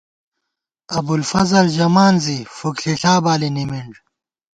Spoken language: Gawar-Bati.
ابُوالفضل ژَمان زی، فُک ݪِݪلا بالی نِمِنݮ